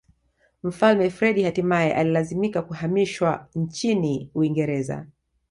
Mfalme Freddie hatimae alilazimika kuhamishwa nchini Uingereza